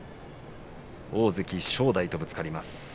大関正代とぶつかります。